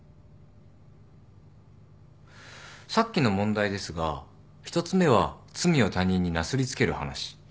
さっきの問題ですが１つ目は罪を他人になすり付ける話。